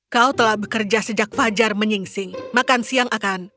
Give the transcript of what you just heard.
kau telah bekerja sejak fajar menyingsing makan siang akan